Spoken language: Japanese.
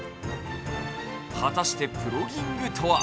果たしてプロギングとは？